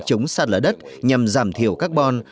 chống sản lửa đất nhằm giảm thiểu carbon